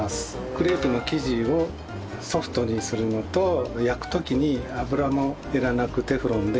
クレープの生地をソフトにするのと焼く時に油もいらなくテフロンで焼く事ができます。